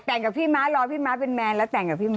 แต่งกับพี่ม้ารอพี่ม้าเป็นแมนแล้วแต่งกับพี่ม้า